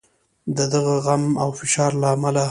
د دغه غم او فشار له امله.